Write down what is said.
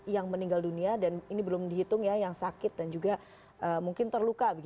yang meninggal dunia dan ini belum dihitung ya yang sakit dan juga mungkin terluka